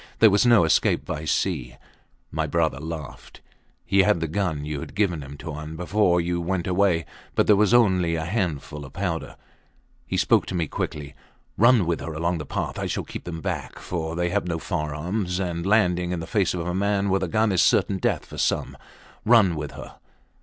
There was no escape by sea. My brother laughed. He had the gun you had given him, Tuan, before you went away, but there was only a handful of powder. He spoke to me quickly: Run with her along the path. I shall keep them back, for they have no firearms, and landing in the face of a man with a gun is certain death for some. Run with her.